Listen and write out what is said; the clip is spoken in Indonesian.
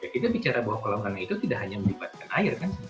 kita bicara bahwa kolam renang itu tidak hanya melibatkan air kan